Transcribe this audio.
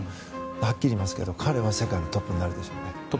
はっきり言いますが彼は世界のトップになるでしょうね。